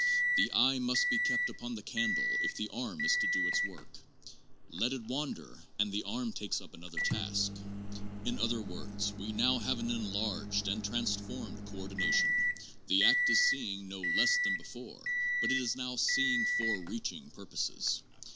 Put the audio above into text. The eye must be kept upon the candle if the arm is to do its work ; let it wander and the arm takes up another task. In other words, we now have an enlarged and transformed coordination ; the act is seeing no less than before, but it is now seeing for reaching purposes.